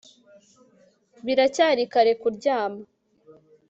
Biracyari kare kuryama